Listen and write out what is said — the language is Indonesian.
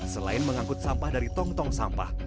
selain mengangkut sampah dari tong tong sampah